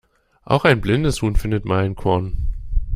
Auch ein blindes Huhn findet mal ein Korn.